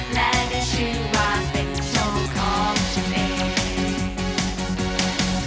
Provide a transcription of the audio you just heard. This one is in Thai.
และด้วยชื่อว่าเป็นโชว์ของฉันเอง